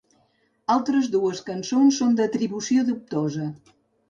Altres dues cançons són d'atribució dubtosa.